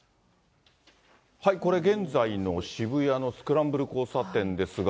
これ、現在の渋谷のスクランブル交差点ですが、